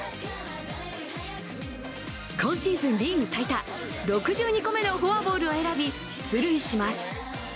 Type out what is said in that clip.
今シーズンリーグ最多６２個目のフォアボールを選び出塁します。